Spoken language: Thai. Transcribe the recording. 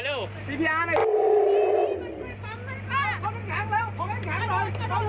อู๋